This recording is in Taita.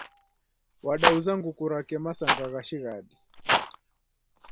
Wadauza nguku rake masanga gha shighadi.